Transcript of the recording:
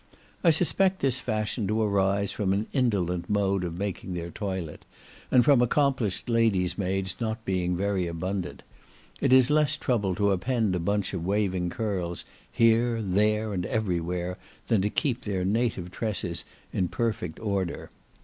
I suspect this fashion to arise from an indolent mode of making their toilet, and from accomplished ladies' maids not being very abundant; it is less trouble to append a bunch of waving curls here, there, and every where, than to keep their native tresses in perfect order.